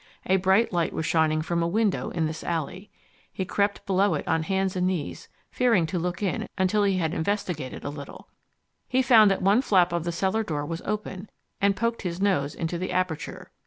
A bright light was shining from a window in this alley. He crept below it on hands and knees fearing to look in until he had investigated a little. He found that one flap of the cellar door was open, and poked his nose into the aperture.